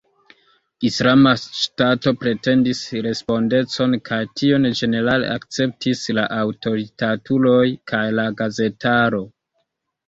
Islama Ŝtato pretendis respondecon, kaj tion ĝenerale akceptis la aŭtoritatuloj kaj la gazetaro.